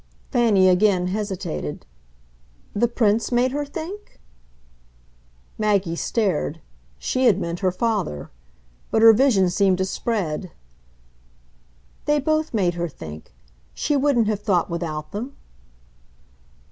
Fanny again hesitated. "The Prince made her think ?" Maggie stared she had meant her father. But her vision seemed to spread. "They both made her think. She wouldn't have thought without them."